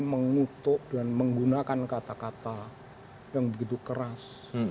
mengutuk dan menggunakan kata kata yang begitu keras